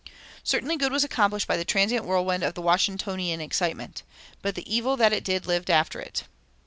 Certainly good was accomplished by the transient whirlwind of the "Washingtonian" excitement. But the evil that it did lived after it.